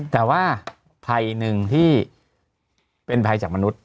แต่ว่าภัยหนึ่งที่เป็นภัยจากมนุษย